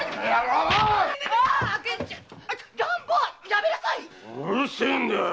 うるせえんだよ！